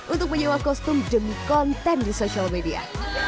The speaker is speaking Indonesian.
untuk menjewa kostum demi konten di social media